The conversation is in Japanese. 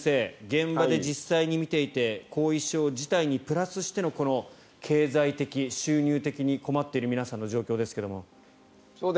現場で実際に診ていて後遺症自体にプラスしてのこの経済的、収入的に困っている皆さんの状況ですけど。